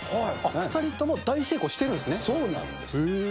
２人とも大成功してるんですそうなんです。